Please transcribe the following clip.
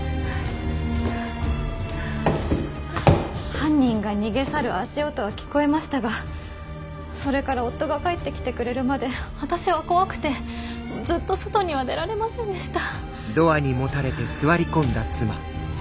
犯人が逃げ去る足音は聞こえましたがそれから夫が帰ってきてくれるまで私は怖くてずっと外には出られませんでした。